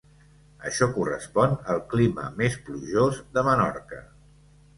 Això correspon al clima més plujós de Menorca.